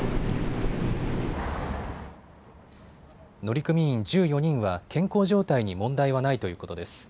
乗組員１４人は健康状態に問題はないということです。